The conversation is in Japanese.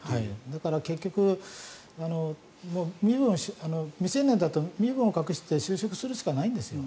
だから結局未成年だと身分を隠して就職するしかないんですよ。